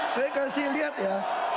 saya kasih lihat ya